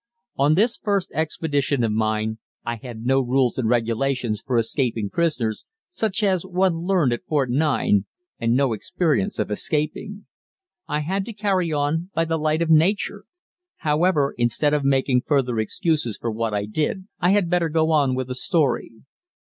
On this first expedition of mine I had no rules and regulations for escaping prisoners, such as one learned at Fort 9, and no experience of escaping. I had to carry on by the light of nature. However, instead of making further excuses for what I did, I had better go on with the story.